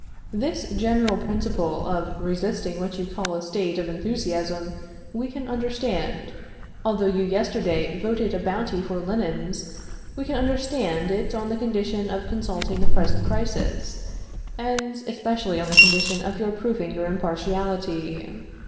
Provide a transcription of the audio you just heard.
This general principle of resisting what you call a state of enthusiasm we can understand, although you yesterday voted a bounty for linens; we can understand it on the condition of consulting the present crisis, and especially on the condition of your proving your impartiality.